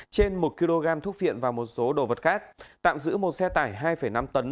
trên một kg thuốc viện và một số đồ vật khác tạm giữ một xe tải hai năm tấn